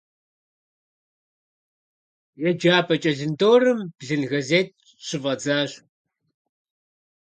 Еджапӏэ кӏэлындорым блын газет щыфӏэдзащ.